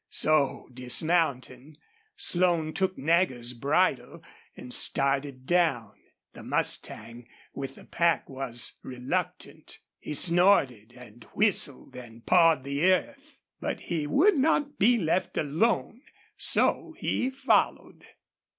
So, dismounting, Slone took Nagger's bridle and started down. The mustang with the pack was reluctant. He snorted and whistled and pawed the earth. But he would not be left alone, so he followed.